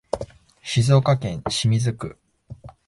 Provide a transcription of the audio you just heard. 静岡市清水区